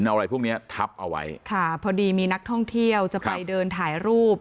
เอาอะไรพวกเนี้ยทับเอาไว้ค่ะพอดีมีนักท่องเที่ยวจะไปเดินถ่ายรูป